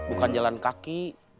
bukan jalan kaki